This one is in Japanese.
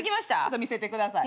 見せてください。